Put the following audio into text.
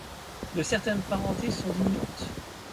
De certaines parentés sont diminuantes.